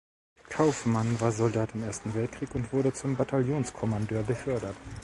Kauffmann war Soldat im Ersten Weltkrieg und wurde zum Bataillonskommandeur befördert.